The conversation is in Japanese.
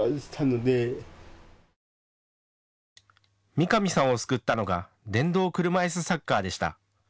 三上さんを救ったのが電動車いすサッカーでした。